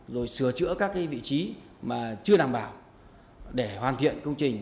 rồi sửa chữa các vị trí mà chưa đảm bảo để hoàn thiện công trình